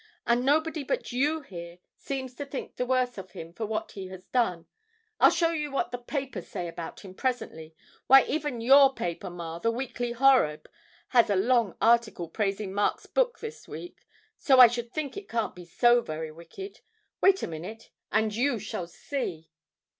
And nobody but you here seems to think the worse of him for what he has done! I'll show you what the papers say about him presently. Why, even your paper, ma, the "Weekly Horeb," has a long article praising Mark's book this week, so I should think it can't be so very wicked. Wait a minute, and you shall see!'